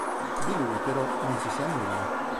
Di lui però non si sa nulla.